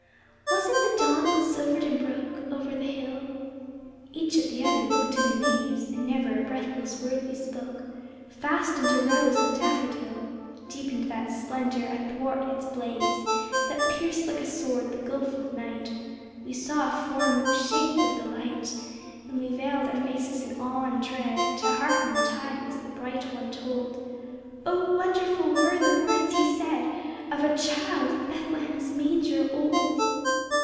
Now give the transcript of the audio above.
110 Was it the dawn that silvered and broke Over the hill? Each at the other looked in amaze, And never a breathless word we spoke. Fast into rose and daffodil Deepened that splendor; athwart its blaze That pierced like a sword the gulf of night We saw a form that was shaped of the light, And we veiled our faces in awe and dread To hearken the tidings the Bright One told ŌĆö Oh! wonderful were the words he said ŌĆö Of a Child in Bethlehem's manger old.